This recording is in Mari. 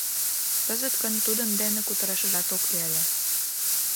Кызыт гын тудын дене кутырашыжат ок лий ыле.